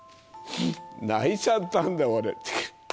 泣いちゃったんだ、俺。